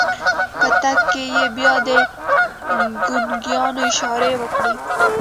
په تګ کې يې بيا د ګونګيانو اشارې وکړې.